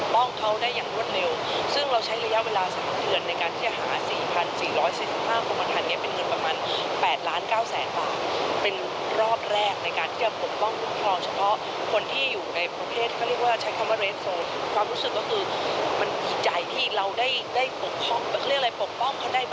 และฉวันพวกเขามาในจุดต่อไป